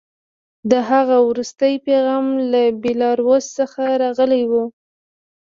د هغه وروستی پیغام له بیلاروس څخه راغلی و